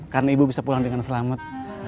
karena ibu bisa pulang dengan selamat